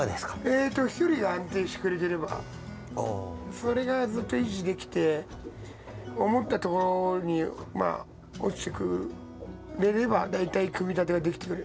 えと飛距離が安定してくれてればそれがずっと維持できて思った所に落ちてくれれば大体組み立てができてくる。